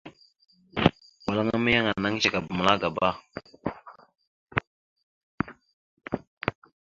Walŋa ma, yan ana iŋgəcekaba məla agaba.